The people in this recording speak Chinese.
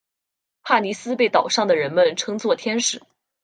帕妮丝被岛上的人们称作天使。